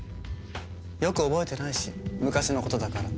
よく覚えてないし昔の事だから。